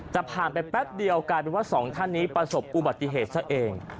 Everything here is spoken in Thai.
แต่ผ่านไปแป๊บเดียวกลายเป็นว่าสองท่านนี้ประสบอุบัติเหตุซะเอง